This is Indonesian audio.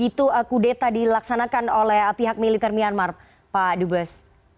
itu kudeta dilaksanakan oleh pihak militer myanmar pak dubes